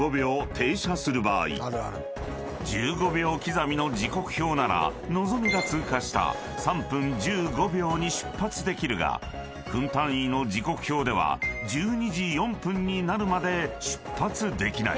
１５秒刻みの時刻表ならのぞみが通過した３分１５秒に出発できるが分単位の時刻表では１２時４分になるまで出発できない］